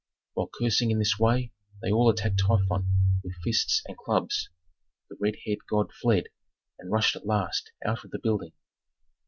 While cursing in this way they all attacked Typhon with fists and clubs; the red haired god fled, and rushed at last out of the building.